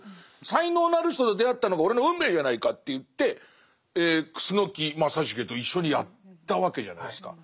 才能のある人と出会ったのが俺の運命じゃないかといって楠木正成と一緒にやったわけじゃないですか。